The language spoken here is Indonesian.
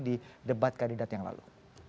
di debat kandidat yang lalu